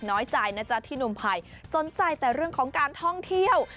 น้อยใจนะจ๊ะที่หนุ่มไผ่สนใจแต่เรื่องของการท่องเที่ยว